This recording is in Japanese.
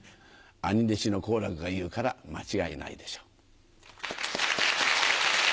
兄弟子の好楽が言うから、間違いないでしょう。